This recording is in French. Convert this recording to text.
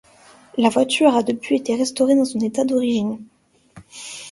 La voiture a depuis été restaurée dans son état d'origine.